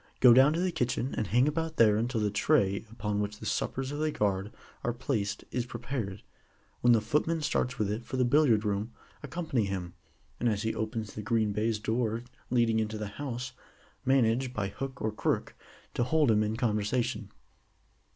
Go down to the kitchen, and hang about there until the tray upon which the suppers of the guard are placed is prepared. When the footman starts with it for the Billiard room, accompany him, and as he opens the green baize door leading into the house, manage by hook or crook, to hold him in conversation.